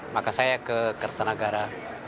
maka saya ke kertanagara